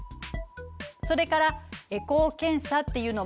それからエコー検査っていうのもあるわね。